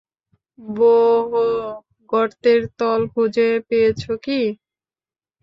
বোহ, গর্তের তল খুঁজে পেয়েছ কি?